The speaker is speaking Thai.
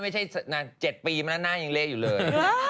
ไม่ใช่๗ปีมาแล้วหน้ายังเละอยู่เลย